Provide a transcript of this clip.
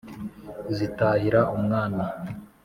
Zitahira Umwami,